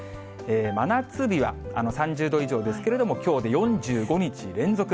真夏日は、３０度以上ですけれども、きょうで４５日連続。